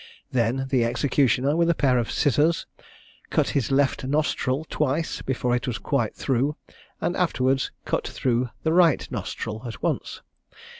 Then the executioner, with a pair of scissors, cut his left nostril twice before it was quite through, and afterwards cut through the right nostril at once.